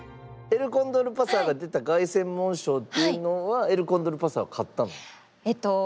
エルコンドルパサーが出た凱旋門賞っていうのはエルコンドルパサーは勝ったの？